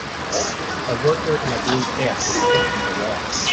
A worker in a blue hat is fixing the wall.